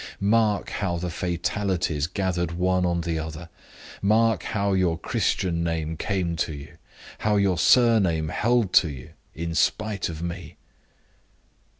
Mark how the fatalities gathered one on the other! Mark how your Christian name came to you, how your surname held to you, in spite of me!